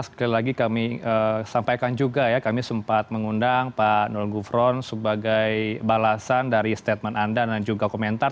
sekali lagi kami sampaikan juga ya kami sempat mengundang pak nul gufron sebagai balasan dari statement anda dan juga komentar